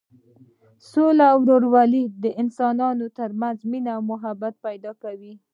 سوله او ورورولي د انسانانو تر منځ مینه او محبت پیدا کوي.